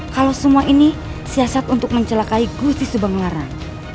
kalau semua ini siasat untuk mencelakai gusti subanglaran